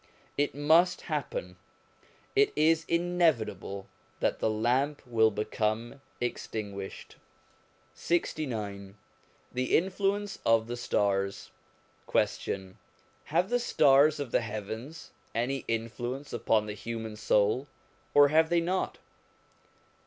It must happen; it is inevitable that the lamp will become extinguished. LXIX THE INFLUENCE OF THE STARS Question. Have the stars of the heavens any influence upon the human soul, or have they not